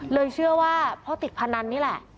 เลยเชื่อว่าเพราะติดพนันนี่แหละ